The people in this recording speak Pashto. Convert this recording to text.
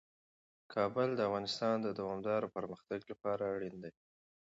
کابل د افغانستان د دوامداره پرمختګ لپاره اړین دي.